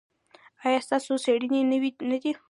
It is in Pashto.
ایا ستاسو څیړنې نوې نه دي؟